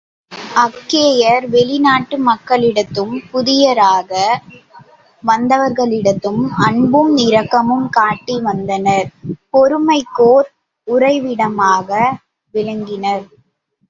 அக்கேயர் வெளிநாட்டு மக்களிடத்தும், புதியராக வந்தவர்களிடத்தும், அன்பும் இரக்கமும் காட்டி வந்தனர் பொறுமைக்கோர் உறைவிடமாகவும் விளங்கினர்.